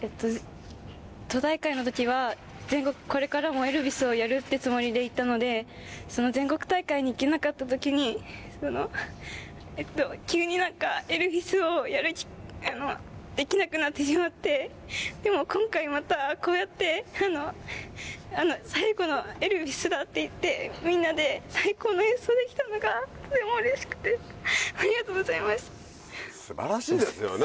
都大会のときは、これからもエルヴィスをやるってつもりでいたので、その全国大会に行けなかったときに、えっと、急になんかエルヴィスをできなくなってしまって、でも今回また、こうやって最後のエルヴィスだっていって、みんなで最高の演奏できたのが、とてもうれしくて、すばらしいですよね。